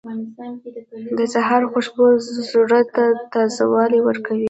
• د سهار خوشبو زړه ته تازهوالی ورکوي.